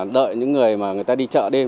đợi những người mà người ta đi chợ đêm